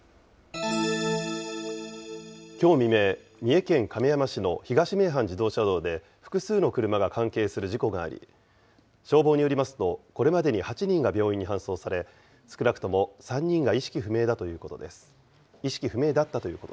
きょう未明、三重県亀山市の東名阪自動車道で複数の車が関係する事故があり、消防によりますと、これまでに８人が病院に搬送され、少なくとも３人が意識不明だったということです。